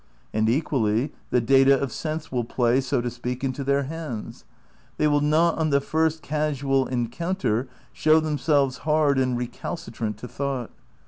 And equally, the data of sense will play, so to speak, into their hands; they wiU not on the first casual encounter show themselves hard and recalci trant to thought.